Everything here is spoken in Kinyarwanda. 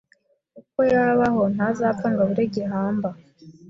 Uko yabaho Ntazapfa ngo abure gihamba.